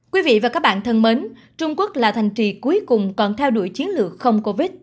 quý vị và các bạn thân mến trung quốc là thành trì cuối cùng còn theo đuổi chiến lược không covid